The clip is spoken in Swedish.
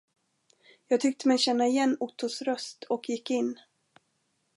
Jag tyckte mig känna igen Ottos röst och gick in.